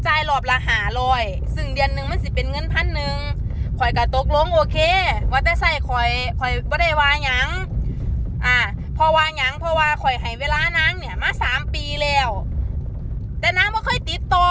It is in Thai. อ่าบอกว่านางคอยให้เวลานางเนี้ยมาสามปีแล้วแต่นางค่อยค่อยติดต่อ